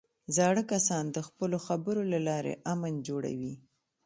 زاړه کسان د خپلو خبرو له لارې امن جوړوي